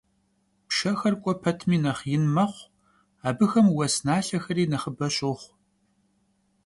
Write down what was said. Pşşexer k'ue petmi nexh yin mexhu, abıxem vues nalhexeri nexhıbe şoxhu.